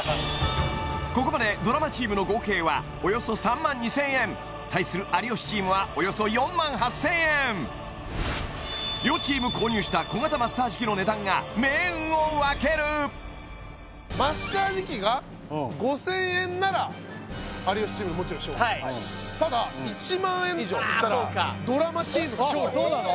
ここまでドラマチームの合計はおよそ３万２０００円対する有吉チームはおよそ４万８０００円両チーム購入した小型マッサージ器の値段が命運を分けるマッサージ器が５０００円なら有吉チームのもちろん勝利はいただ１万円以上いったらドラマチームの勝利そうなの？